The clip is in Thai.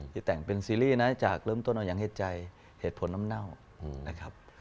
ที่แต่งเป็นซีรีส์นะจากเริ่มต้นเอาอย่างเหตุใจเหตุผลน้ำเน่านะครับ